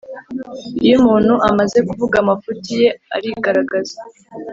Iyo umuntu amaze kuvuga, amafuti ye arigaragaza,